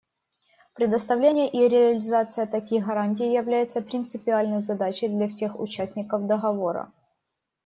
Предоставление и реализация таких гарантий является принципиальной задачей для всех участников Договора.